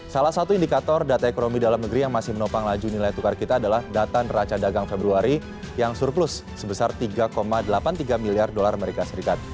salah satu indikator data ekonomi dalam negeri yang masih menopang laju nilai tukar kita adalah data neraca dagang februari yang surplus sebesar tiga delapan puluh tiga miliar dolar amerika serikat